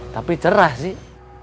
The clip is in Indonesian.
tapi cerah sih